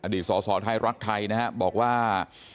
อดีตสศรักไทยนะครับบอกว่า